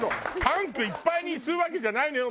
タンクいっぱいに吸うわけじゃないのよ。